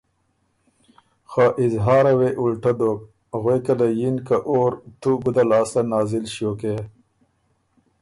خه اظهاره وې اُلټۀ دوک، غوېکه له یِن که ”اور تُو ګُده لاسته نازل ݭیوکې؟“